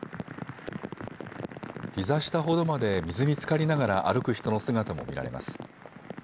ひざ下ほどまで水につかりながら歩く人の姿も見られます。